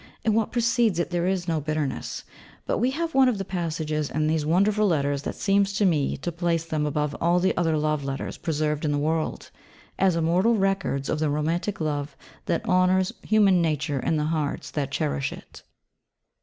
In what precedes it there is no bitterness, but we have one of the passages in these wonderful letters that seem to me to place them above all the other love letters preserved in the world, as immortal records of the Romantic Love that honours human nature in the hearts that cherish it.